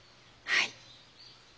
はい。